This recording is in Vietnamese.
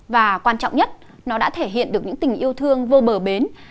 và quan trọng nhất nó đã thể hiện được những tình yêu thương vô bờ bến